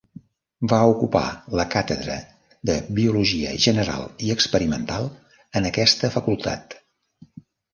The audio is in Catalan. Va ocupar la càtedra de biologia general i experimental en aquesta facultat.